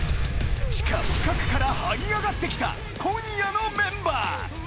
地下深くから這い上がって来た今夜のメンバー！